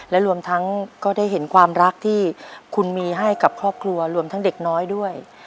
และรวมทั้งก็ได้เห็นความรักที่คุณมีให้กับครอบครัวรวมทั้งเด็กน้อยด้วย